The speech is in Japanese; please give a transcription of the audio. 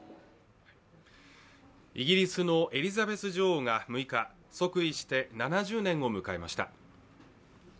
イギリスのエリザベス女王が６日、即位して７０年を迎えました。